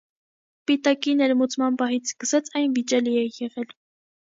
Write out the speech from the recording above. Պիտակի ներմուծման պահից սկսած այն վիճելի է եղել։